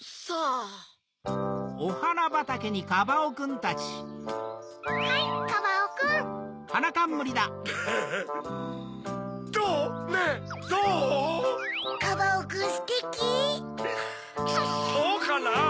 そうかな？